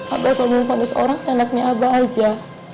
abah cuma mau pandu seorang sayang anaknya abah aja